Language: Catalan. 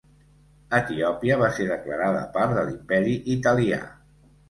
Etiòpia ser va declarada part de l'Imperi Italià.